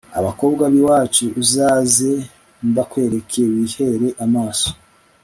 abakobwa b'iwacu uzaze mbakwereke wihere amaso